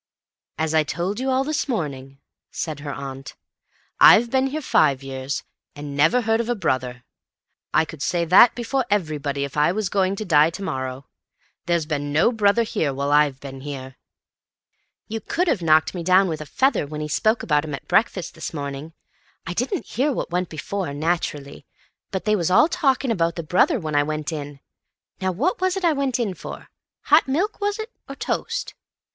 "As I told you all this morning," said her aunt, "I've been here five years, and never heard of a brother. I could say that before everybody if I was going to die to morrow. There's been no brother here while I've been here." "You could have knocked me down with a feather when he spoke about him at breakfast this morning. I didn't hear what went before, naturally, but they was all talking about the brother when I went in—now what was it I went in for—hot milk, was it, or toast?